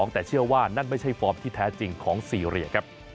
แต่เชื่อว่านั่นไม่ใช่ฟอร์มที่แท้จริงของซีเรียครับ